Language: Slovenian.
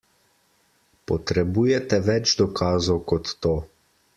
Potrebujete več dokazov kot to.